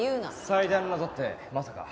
最大の謎ってまさか。